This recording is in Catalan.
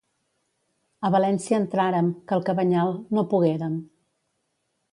A València entràrem, que al Cabanyal no poguérem.